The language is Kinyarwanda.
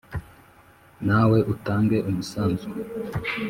nawe utange umusanzu